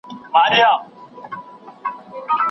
په عربي کې سياست د ژوندانه د ټولو چارو سره اړيکي لري.